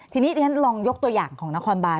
ทีนี้ฉันลองยกตัวอย่างของนครบาน